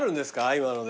今ので。